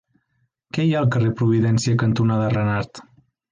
Què hi ha al carrer Providència cantonada Renart?